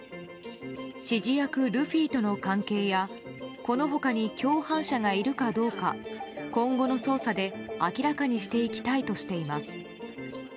指示役ルフィとの関係やこの他に共犯者がいるかどうか今後の捜査で明らかにしていきたいとしています。